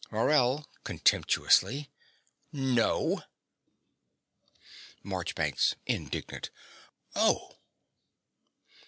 MORELL (contemptuously). No. MARCHBANKS (indignant). Oh!